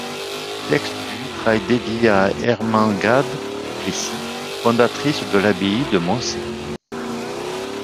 Texte du vitrail dédié à Ermengarde du Plessis, fondatrice de l'abbaye de Moncé.